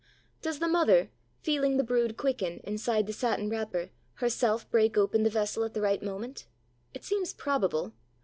Does the mother, feeling the brood quicken inside the satin wrapper, herself break open the vessel at the right moment? It seems probable.